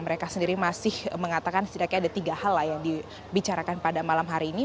mereka sendiri masih mengatakan setidaknya ada tiga hal lah yang dibicarakan pada malam hari ini